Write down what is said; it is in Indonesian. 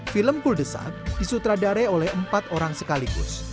film kuldesak disutradarai oleh empat orang sekaligus